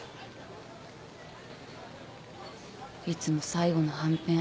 いつも最後のはんぺん